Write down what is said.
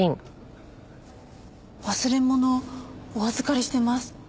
忘れ物お預かりしてます。